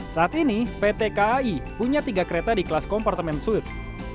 saat ini pt kai punya tiga kereta di kelas kompartemen suite